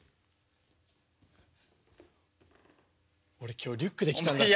俺今日リュックで来たんだったわ。